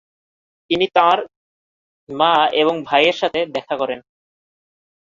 তিনি তাঁর মা এবং ভাইয়ের সাথে দেখা করেন।